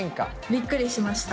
びっくりしました。